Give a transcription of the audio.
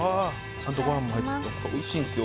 ちゃんとご飯も入ってておいしいんすよ